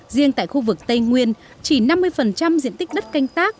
riêng tại khu vực tây nguyên chỉ năm mươi diện tích đất canh tác